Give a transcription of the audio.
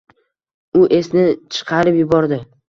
U esini chiqarib yubordi.